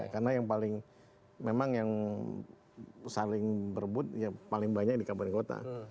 karena yang paling memang yang saling berbut paling banyak di kabupaten kota